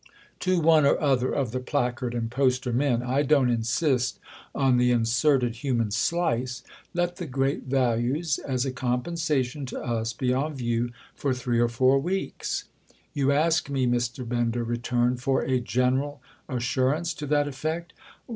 "To one or other of the placard and poster men—I don't insist on the inserted human slice! Let the great values, as a compensation to us, be on view for three or four weeks." "You ask me," Mr. Bender returned, "for a general assurance to that effect?"